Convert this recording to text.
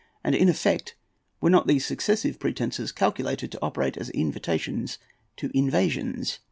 And in effect, were not these successive pretences calculated to operate as invitations to invasions?